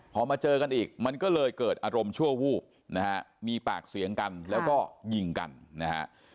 พอมาเจอกันอีกมันก็เลยเกิดอารมณ์ชั่ววูบนะฮะมีปากเสียงกันแล้วก็ยิงกันนะฮะ